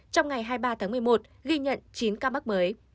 trong ngày hai mươi ba tháng một mươi một ghi nhận chín ca mắc mới